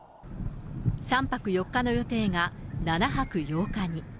３泊４日の予定が７泊８日に。